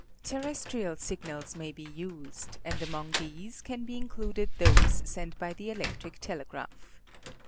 ; Terrestrial signals may be used and among these can be included those sent by the electric telegraph.